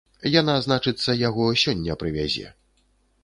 Яна, значыцца, яго сёння прывязе.